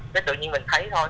thế tự nhiên mình thấy thôi